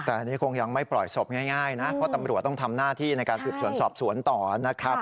แต่อันนี้คงยังไม่ปล่อยศพง่ายนะเพราะตำรวจต้องทำหน้าที่ในการสืบสวนสอบสวนต่อนะครับ